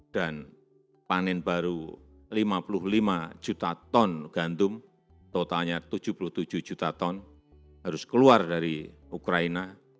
dan panen baru lima puluh lima juta ton gandum totalnya tujuh puluh tujuh juta ton harus keluar dari ukraina